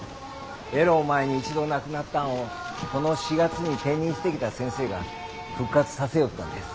えろう前に一度なくなったんをこの４月に転任してきた先生が復活させよったんです。